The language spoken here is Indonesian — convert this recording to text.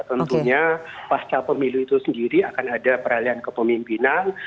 tentunya pasca pemilu itu sendiri akan ada peralihan kepemimpinan